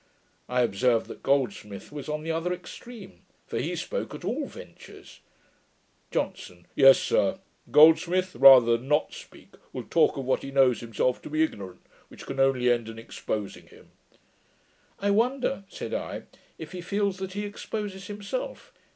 I observed, that Goldsmith was on the other extreme; for he spoke at all ventures. JOHNSON. 'Yes, sir; Goldsmith, rather than not speak, will talk of what he knows himself to be ignorant, which can only end in exposing him.' 'I wonder,' said I, 'if he feels that he exposes himself.